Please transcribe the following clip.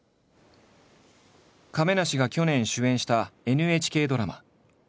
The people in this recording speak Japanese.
亀梨が去年主演したＮＨＫドラマ。